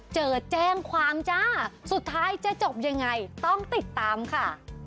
เจอแจ้งความจ้าสุดท้ายจะจบยังไงต้องติดตามค่ะ